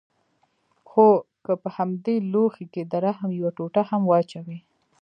خو که په همدې لوښي کښې د رحم يوه ټوټه هم واچوې.